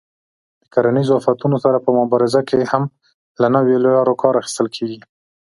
د کرنیزو آفتونو سره په مبارزه کې هم له نویو لارو کار اخیستل کېږي.